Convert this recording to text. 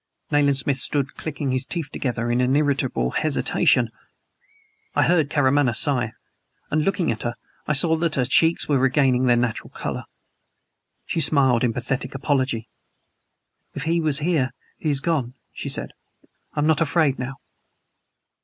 Nayland Smith stood clicking his teeth together in irritable hesitation. I heard Karamaneh sigh, and, looking at her, I saw that her cheeks were regaining their natural color. She smiled in pathetic apology. "If he was here he is gone," she said. "I am not afraid now."